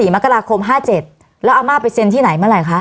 มกราคม๕๗แล้วอาม่าไปเซ็นที่ไหนเมื่อไหร่คะ